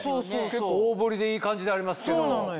結構大ぶりでいい感じでありますけど。